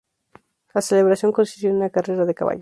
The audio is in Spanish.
La celebración consistió en una carrera de caballos.